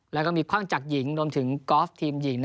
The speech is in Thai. แล้วก็มีคว่างจากหญิงรวมถึงกอล์ฟทีมหญิง